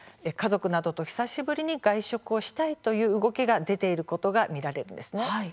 家族などと久しぶりに外食をしたいという動きが出ていると見られます。